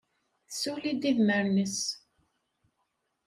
Tessuli-d idmaren-nnes.